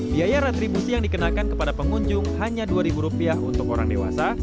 biaya retribusi yang dikenakan kepada pengunjung hanya rp dua untuk orang dewasa